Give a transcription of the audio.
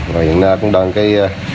và hiện nay cũng đang cái